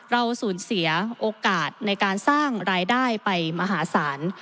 เราสูญเสียโอกาสในการสร้างรายได้ไปมหาศาล